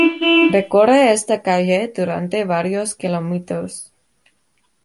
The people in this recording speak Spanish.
Recorre esta calle durante varios km.